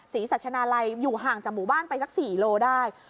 สัชนาลัยอยู่ห่างจากหมู่บ้านไปสัก๔โลได้